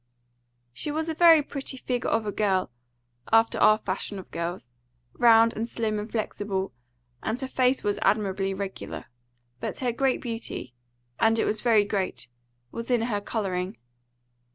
She was a very pretty figure of a girl, after our fashion of girls, round and slim and flexible, and her face was admirably regular. But her great beauty and it was very great was in her colouring.